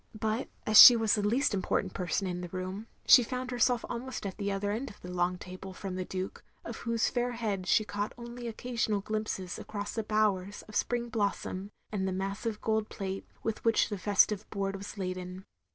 But as she was the least important person in the room, she found herself almost at the other end of the long table, from the Duke of whose fair head she caught only occasional glimpses across the bowers of spring blossom and the massive gold plate with which the festive board was laden.